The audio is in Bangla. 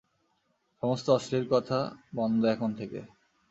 সমস্ত অশ্লীল কথা বন্ধ এখন থেকে।